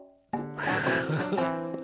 フフフ。